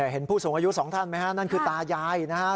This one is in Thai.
ผู้สูงอายุสองท่านไหมฮะนั่นคือตายายนะครับ